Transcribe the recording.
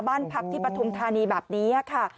บ้านพักที่ปฐุมธานีแบบนี้ค่ะ